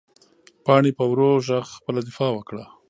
پاڼې په ورو غږ خپله دفاع وکړه.